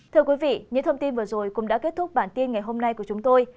thưa quý vị những thông tin vừa rồi cũng đã kết thúc bản tin ngày hôm nay của chúng tôi